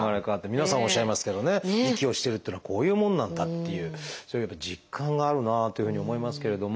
皆さんおっしゃいますけどね息をしてるっていうのはこういうものなんだっていうそういうやっぱ実感があるなというふうに思いますけれども。